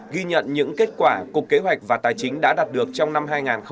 ghi nhận những kết quả cục kế hoạch và tài chính đã đạt được trong năm hai nghìn hai mươi